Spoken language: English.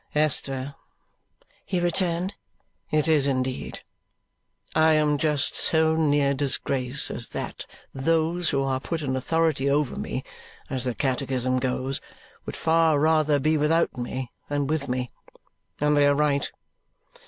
"Esther," he returned, "it is indeed. I am just so near disgrace as that those who are put in authority over me (as the catechism goes) would far rather be without me than with me. And they are right.